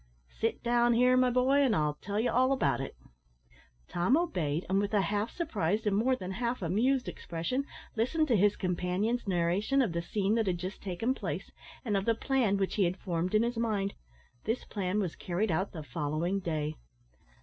"Sit down here, my boy, and I'll tell you all about it." Tom obeyed, and, with a half surprised and more than half amused expression, listened to his companion's narration of the scene that had just taken place, and of the plan which he had formed in his mind. This plan was carried out the following day.